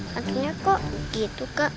hantunya kok gitu kak